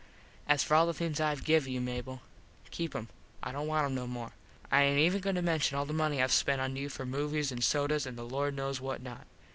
As for all the things I have give you, Mable, keep em. I dont want em no more. I aint even goin to menshun all the money Ive spent on you for movies an sodas an the Lord knows what not.